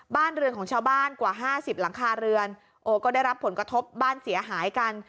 บ้านเรือนของชาวบ้านกว่าห้าสิบหลังคาเรือนโอ้ก็ได้รับผลกระทบบ้านเสียหายกัน